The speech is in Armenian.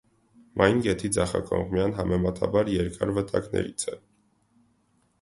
Մայն գետի ձախակողմյան համենատաբար երկար վտակներից է։